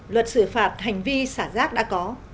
luật xử phạt hành vi xả rác đã có